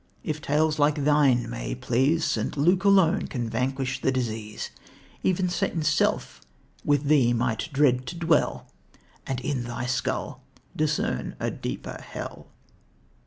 if tales like thine may please, St. Luke alone can vanquish the disease. Even Satan's self with thee might dread to dwell, And in thy skull discern a deeper hell!"